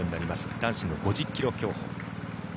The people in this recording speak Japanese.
男子の５０ｋｍ競歩。